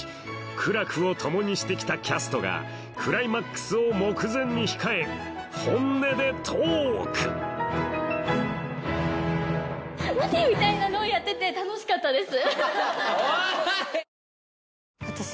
苦楽を共にしてきたキャストがクライマックスを目前に控え本音でトーク待て！みたいなのをやってて楽しかったです。